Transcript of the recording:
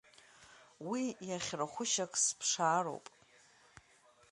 Уи иахьырхәышьак сԥшаароуп.